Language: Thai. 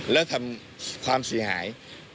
แล้วทำความเสียหาย